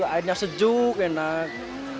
airnya sejuk enak